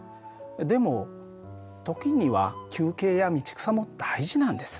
でも時には休憩や道草も大事なんです。